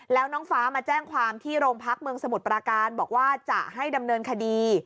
แล้วน้องฟ้ามาแจ้งความที่โรงพักเมืองสมุทรปราการบอกว่าจะให้ดำเนินคดี